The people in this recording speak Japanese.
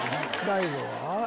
大悟は？